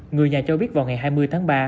người nhà cho biết vào ngày hai mươi tháng ba